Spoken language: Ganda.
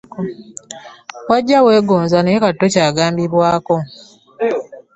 Wajja weegonza naye kati tokyagambikako!